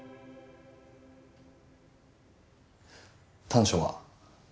短所は。